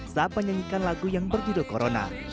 saat menyanyikan lagu yang berjudul corona